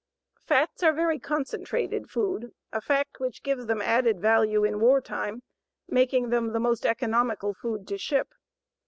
Fats are very concentrated food, a fact which gives them added value in war time, making them the most economical food to ship.